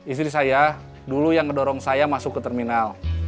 istri saya dulu yang mendorong saya masuk ke terminal